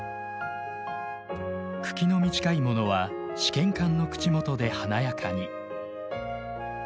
茎の短いものは試験管の口元で華やかに。